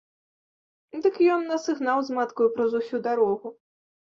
Дык ён нас і гнаў з маткаю праз усю дарогу.